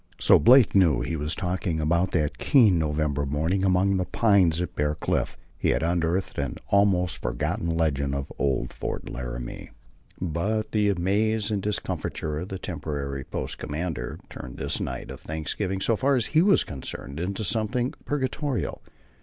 So Blake knew what he was talking about that keen November morning among the pines at Bear Cliff. He had unearthed an almost forgotten legend of old Fort Laramie. But the amaze and discomfiture of the temporary post commander turned this night of thanksgiving, so far as he was concerned, into something purgatorial.